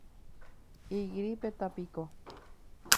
igrípetapiko